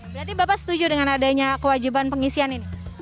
berarti bapak setuju dengan adanya kewajiban pengisian ini